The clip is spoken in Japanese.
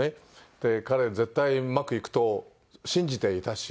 で彼は絶対うまくいくと信じていたし。